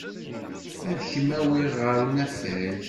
Ad kem-awiɣ ɣer unafag.